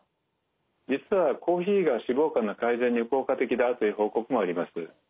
実はコーヒーが脂肪肝の改善に効果的であるという報告もあります。